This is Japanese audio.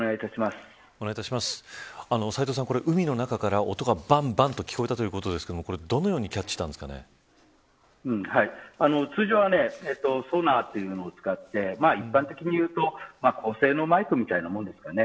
斎藤さん、海の中から音がバンバンと聞こえたということですけれどもどのように通常はソナーを使って一般的に言うと高性能マイクみたいなものですかね。